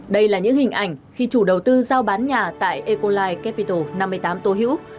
đây là những hình ảnh khi chủ đầu tư giao bán nhà tại ecolai capital năm mươi tám tô hữu